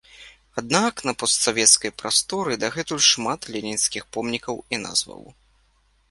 Аднак, на постсавецкай прасторы дагэтуль шмат ленінскіх помнікаў і назваў.